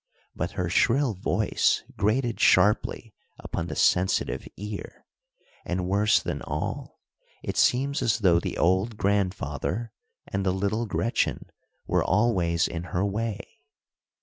But her shrill voice grated sharply upon the sensitive ear, and, worse than all, it seems as though the old grandfather and the little Gretchen were always in her way.